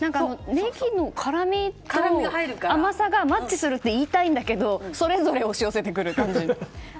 ネギの辛みと甘さがマッチすると言いたいんだけどそれぞれ押し寄せてくる感じ。